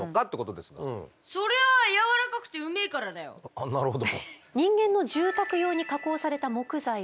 あなるほど。